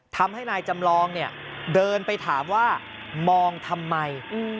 ทำให้นายจำลองเนี่ยเดินไปถามว่ามองทำไม